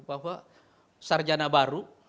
bahwa sarjana baru